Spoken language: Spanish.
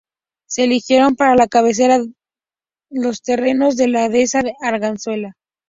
Se eligieron para la cabecera los terrenos de la dehesa de la Arganzuela.